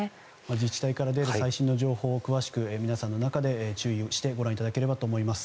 自治体から出る最新の情報を皆さんの中で注意してご覧いただければと思います。